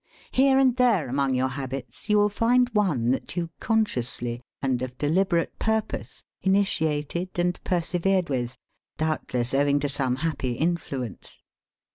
Here and there among your habits you will find one that you consciously and of deliberate purpose initiated and persevered with doubtless owing to some happy influence.